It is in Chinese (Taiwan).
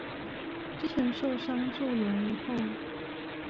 之前受傷坐輪椅後